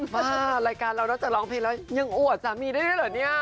มารายการเราน่าจะร้องเพลงแล้วยังอวดสามีได้ได้เหรอนี่